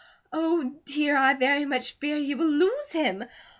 "Oh, dear, I very much fear you will lose him.